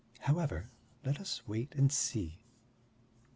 However, let us wait and see.